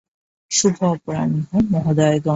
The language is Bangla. শুভ অপরাহ্ন, মহোদয়গণ।